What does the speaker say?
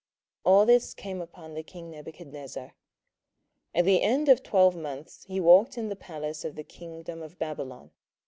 27:004:028 All this came upon the king Nebuchadnezzar. 27:004:029 At the end of twelve months he walked in the palace of the kingdom of Babylon.